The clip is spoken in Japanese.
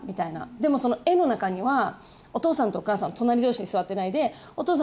でもその絵の中にはお父さんとお母さん隣同士に座っていないでお父さん